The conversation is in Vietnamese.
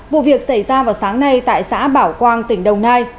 vụ việc xảy ra vào sáng nay tại xã bảo quang tỉnh đồng nai